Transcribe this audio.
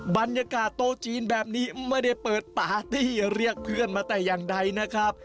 บรรยากาศโตจีนแบบนี้ไม่ได้เปิดปาร์ตี้เรียกเพื่อนมาแต่อย่างใดนะครับ